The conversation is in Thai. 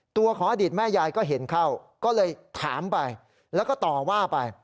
ตัวของอดีตแม่ยายก็เห็นเข้าก็เลยถามไปแล้วก็ต่อว่าไป